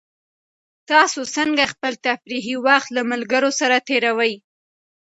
تاسو څنګه خپل تفریحي وخت له ملګرو سره تېروئ؟